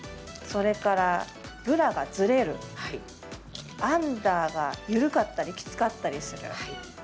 それから「ブラがズレる」「アンダーがゆるかったりきつかったりする」